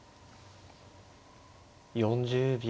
４０秒。